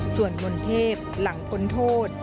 ส่วนมนเทพหลังพ้นโทษ